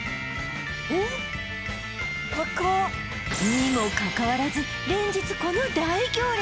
にもかかわらず連日この大行列